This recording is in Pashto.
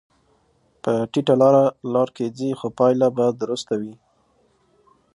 په ټیټه لار کې ځې، خو پایله به درسته وي.